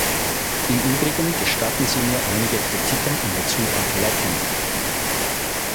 Im Übrigen gestatten Sie mir einige Kritiken in Bezug auf Laeken.